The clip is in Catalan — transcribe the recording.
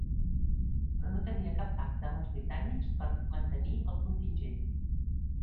Però no tenia cap pacte amb els britànics per mantenir el contingent.